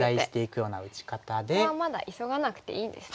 ここはまだ急がなくていいですね。